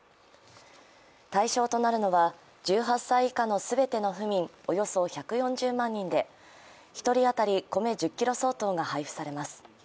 対象となるのは、１８歳以下の全ての府民およそ１４０万人で１人当たり米１０ｋｇ相当が配布されます。